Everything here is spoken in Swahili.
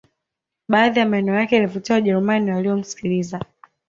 Baadhi ya maneno yake yalivutia wajerumani waliyomsikiliza